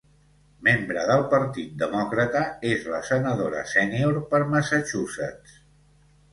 Membre del Partit Demòcrata, és la senadora sènior per Massachusetts.